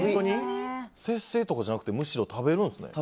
節制とかじゃなくて食べるんですね。